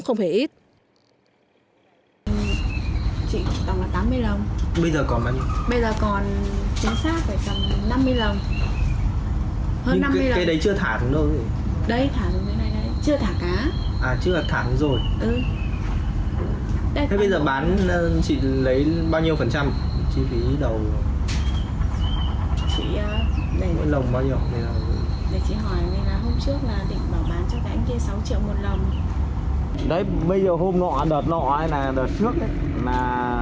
bây giờ hôm nọ đợt nọ hay là đợt trước khách trên thịnh như thằng ở trên chi xương kia